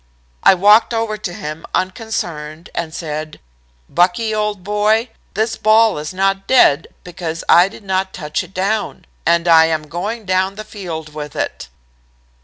I walked over to him unconcerned and said: 'Bucky, old boy! this ball is not dead, because I did not touch it down. And I am going down the field with it.'